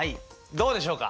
どうでしょうか？